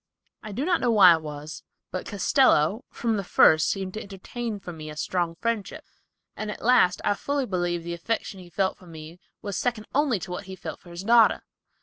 I know not why it was, but Castello, from the first seemed to entertain for me a strong friendship, and at last I fully believe the affection he felt for me was second only to what he felt for his daughter.